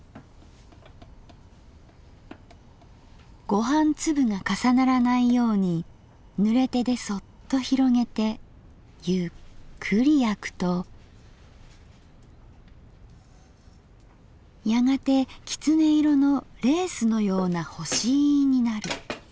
「ご飯粒が重ならないように濡れ手でそっと拡げてゆっくり焼くとやがて狐色のレースのような干飯になる」。